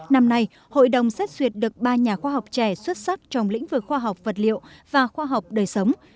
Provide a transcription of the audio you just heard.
năm nay hội đồng xét xuyệt được ba nhà khoa học trẻ xuất sắc trong lĩnh vực khoa học vật liệu và khoa học đời sống